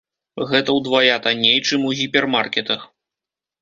Гэта ўдвая танней, чым у гіпермаркетах.